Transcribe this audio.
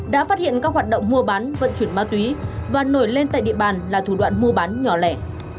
đã phát hiện các hoạt động mua bán vận chuyển ma túy và nổi lên tại địa bàn là thủ đoạn mua bán nhỏ lẻ